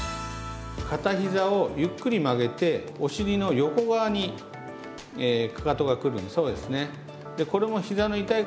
片ひざをゆっくり曲げてお尻の横側にかかとが来るように。